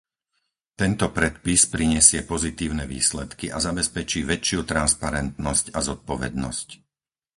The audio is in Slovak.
Tento predpis prinesie pozitívne výsledky a zabezpečí väčšiu transparentnosť a zodpovednosť.